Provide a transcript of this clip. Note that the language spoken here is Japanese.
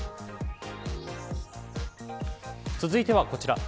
続いてはこちら。